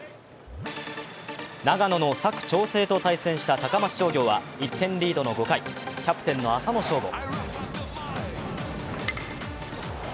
長野の佐久長聖と対戦した高松商業は１点リードの５回、キャプテンの浅野翔吾。